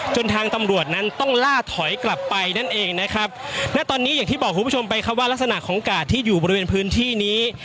ทางตำรวจนั้นต้องล่าถอยกลับไปนั่นเองนะครับณตอนนี้อย่างที่บอกคุณผู้ชมไปครับว่ารักษณะของกาดที่อยู่บริเวณพื้นที่นี้